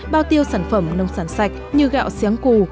bao tiêu sản phẩm nông sản sạch như gạo xéng cù